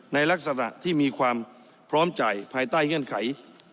ในลักษณะที่มีความพร้อมจ่ายภายใต้เงื่อนไข